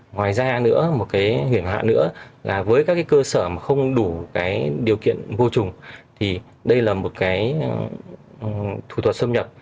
ngoài ra nữa một cái hiểm họa nữa là với các cái cơ sở mà không đủ cái điều kiện vô trùng thì đây là một cái thủ thuật xâm nhập